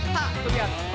hah tuh liat